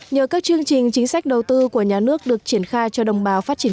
nhờ các chương trình chính sách đầu tư của nhà nước được triển khai cho đồng bào phát triển